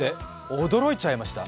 おどろいちゃいました。